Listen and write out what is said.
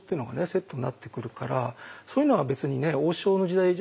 セットになってくるからそういうのは別にね大塩の時代だけじゃなくてね